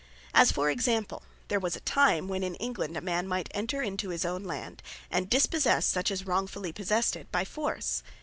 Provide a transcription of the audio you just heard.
As for Example, there was a time, when in England a man might enter in to his own Land, (and dispossesse such as wrongfully possessed it) by force.